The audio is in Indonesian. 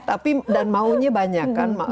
tapi dan maunya banyak kan